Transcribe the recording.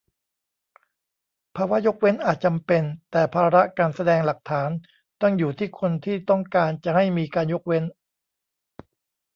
ภาวะยกเว้นอาจจำเป็น แต่ภาระการแสดงหลักฐานต้องอยู่ที่คนที่ต้องการจะให้มีการยกเว้น